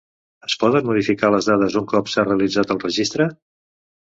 Es poden modificar les dades un cop s'ha realitzat el registre?